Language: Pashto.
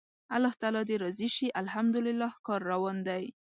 الله تعالی دې راضي شي، الحمدلله کار روان دی.